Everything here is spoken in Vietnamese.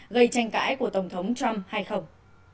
gây tranh cãi của tổng thống trump hay không